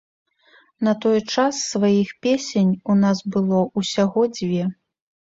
На той час сваіх песень у нас было ўсяго дзве.